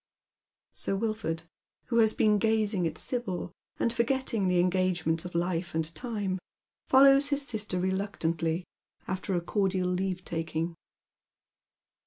Sir Wilford, who has been gazing at Sibyl, and forgetting the engagements of life and time, follows his sister reluctantly, after a cordial leave taldng.